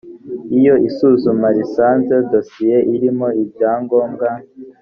iyo isuzuma risanze dosiye irimo ibyangombwa